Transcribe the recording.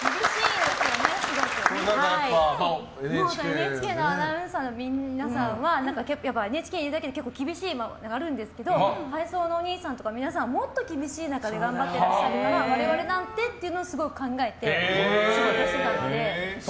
ＮＨＫのアナウンサー皆さんはやっぱりＮＨＫにいるだけ厳しいものがあるんですけど体操のおにいさんとかもっと厳しい中で頑張っているので我々なんてっていうのをすごい考えて仕事してたので。